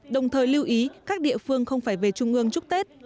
đồng thời lưu ý các địa phương không phải về trung ương chúc tết